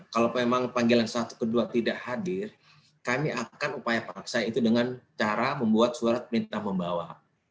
kalau memang panggilan satu kedua tidak hadir kami akan upaya paksa itu dengan cara membuat surat perintah membawa